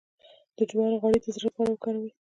د جوارو غوړي د زړه لپاره وکاروئ